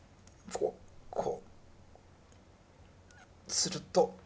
すると。